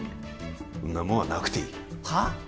んなもんはなくていいはっ！？